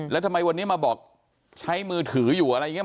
แล้วทำไมวันนี้มาบอกใช้มือถืออยู่อะไรอย่างนี้